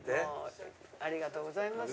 ありがとうございます。